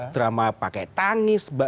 drama pakai tangis